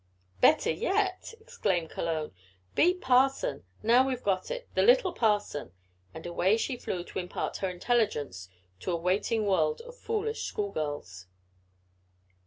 "Better yet," exclaimed Cologne. "Be Parson. Now we've got it. The Little Parson," and away she flew to impart her intelligence to a waiting world of foolish schoolgirls.